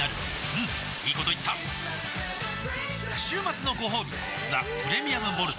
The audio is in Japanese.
うんいいこと言った週末のごほうび「ザ・プレミアム・モルツ」